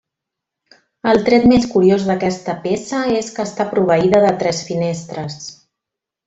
El tret més curiós d'aquesta peça és que està proveïda de tres finestres.